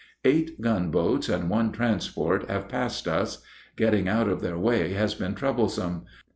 Eight gunboats and one transport have passed us. Getting out of their way has been troublesome.